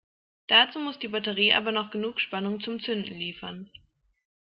Dazu muss die Batterie aber noch genug Spannung zum Zünden liefern.